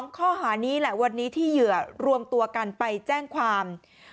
ข้อหานี้แหละวันนี้ที่เหยื่อรวมตัวกันไปแจ้งความ